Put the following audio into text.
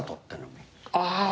ああ。